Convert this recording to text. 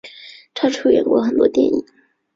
她出演过很多电影。